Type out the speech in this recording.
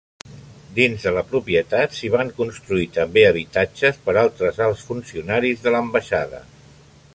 Dins de la propietat, s'hi van construir també habitatges per altres alts funcionaris de l'ambaixada.